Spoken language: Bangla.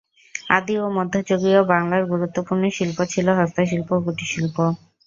আদি ও মধ্যযুগীয় বাংলার গুরুত্বপূর্ণ শিল্প ছিল হস্তশিল্প ও কুটির শিল্প।